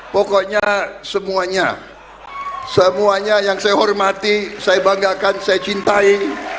pokoknya semuanya semuanya yang saya hormati saya banggakan saya cintai